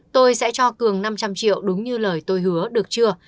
tôi sẽ cho cường năm trăm linh triệu đúng như lời tôi hứa được chưa